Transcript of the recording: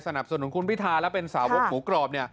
สนับสนุนคุณวิทายยังเป็นสาวบอกหมูกรอบ